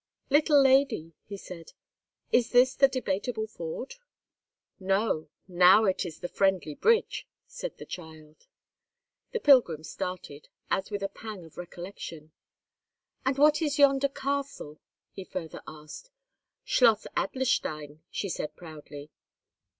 "Little lady," he said, "is this the Debateable Ford?" "No; now it is the Friendly Bridge," said the child. The pilgrim started, as with a pang of recollection. "And what is yonder castle?" he further asked. "Schloss Adlerstein," she said, proudly.